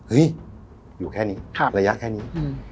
อยู่แค่นี้ระยะแค่นี้